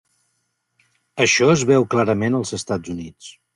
Això es veu clarament als Estats Units.